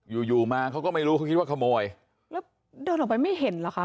อยู่อยู่มาเขาก็ไม่รู้เขาคิดว่าขโมยแล้วเดินออกไปไม่เห็นเหรอคะ